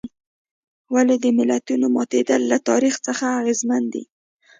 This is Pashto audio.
ولې د ملتونو ماتېدل له تاریخ څخه اغېزمن دي.